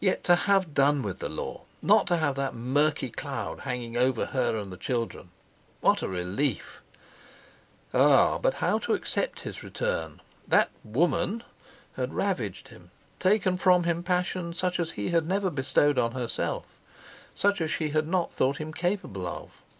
Yet to have done with the Law, not to have that murky cloud hanging over her and the children! What a relief! Ah! but how to accept his return? That "woman" had ravaged him, taken from him passion such as he had never bestowed on herself, such as she had not thought him capable of.